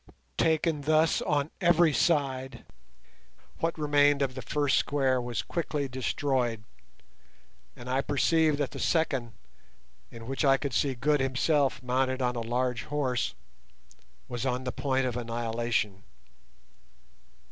Taken thus on every side, what remained of the first square was quickly destroyed, and I perceived that the second, in which I could see Good himself mounted on a large horse, was on the point of annihilation.